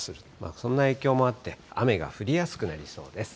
そんな影響もあって、雨が降りやすくなりそうです。